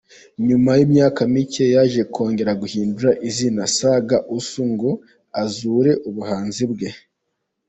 Nyuma y’imyaka mike yaje kongera guhindura izina ‘Saga Asu’, ngo azure ubuhanzi bwe.